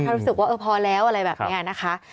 ถ้ารู้สึกว่าเออพอแล้วอะไรแบบนี้นะคะ